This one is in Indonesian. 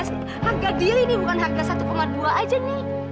harga diri ini bukan harga satu dua aja nih